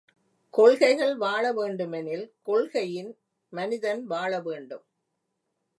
கொள்கைகள் வாழவேண்டுமெனில், கொள்கையின் மனிதன் வாழவேண்டும்.